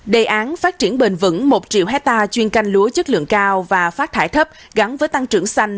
đề án phát triển bền vững một triệu hectare chuyên canh lúa chất lượng cao và phát thải thấp gắn với tăng trưởng xanh